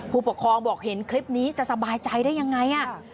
ผู้ปกครองบอกเห็นคลิปนี้จะสบายใจได้ยังไง